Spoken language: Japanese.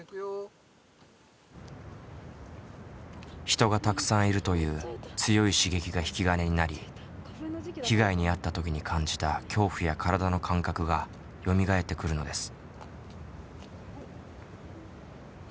人がたくさんいるという強い刺激が引き金になり被害に遭った時に感じた恐怖や体の感覚がよみがえってくるのです。